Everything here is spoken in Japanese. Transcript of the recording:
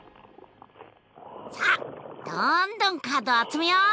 さあどんどんカードを集めよう！